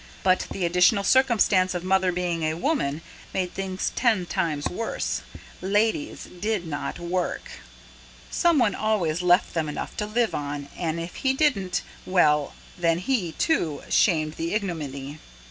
But the additional circumstance of Mother being a woman made things ten times worse: ladies did not work; some one always left them enough to live on, and if he didn't, well, then he, too, shared the ignominy.